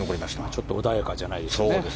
ちょっと穏やかじゃないですね。